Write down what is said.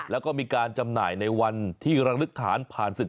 แล้วก็มีการจำหน่ายในวันที่ระลึกฐานผ่านศึก